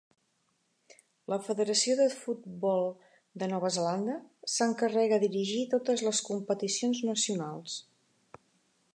La Federació de Futbol de Nova Zelanda s'encarrega de dirigir totes les competicions nacionals.